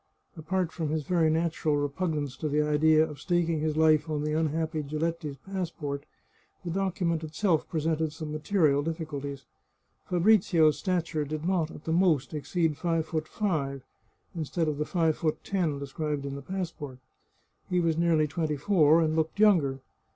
Apart from his very natural repugnance to the idea of staking his life on the unhappy Giletti's passport, the docu ment itself presented some material difficulties. Fabrizio's stature did not, at the most, exceed five foot five, instead of the five foot ten described in the passport. He was nearly twenty four, and looked younger.